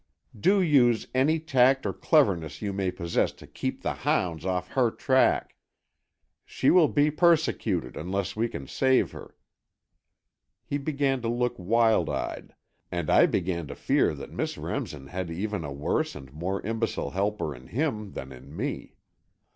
Do use any tact or cleverness you may possess to keep the hounds off her track! She will be persecuted, unless we can save her!" He began to look wild eyed, and I began to fear that Miss Remsen had even a worse and more imbecile helper in him than in me.